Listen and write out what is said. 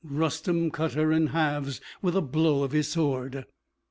Rustem cut her in halves with a blow of his sword.